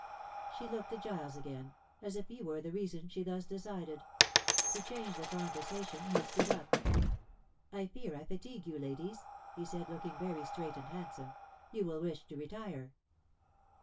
She looked at Giles again, as if he were the reason she thus decided. To change the conversation he stood up. "I fear I fatigue you ladies," he said, looking very straight and handsome. "You will wish to retire."